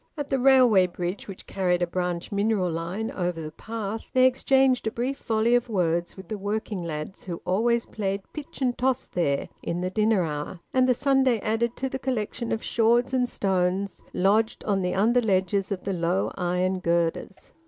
At the railway bridge, which carried a branch mineral line over the path, they exchanged a brief volley of words with the working lads who always played pitch and toss there in the dinner hour; and the Sunday added to the collection of shawds and stones lodged on the under ledges of the low iron girders.